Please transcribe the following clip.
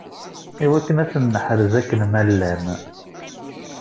Iwakken ad ten-neḥrez akken ma llan.